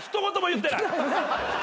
言ってないね？